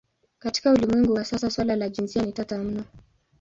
Katika ulimwengu wa sasa suala la jinsia ni tata mno.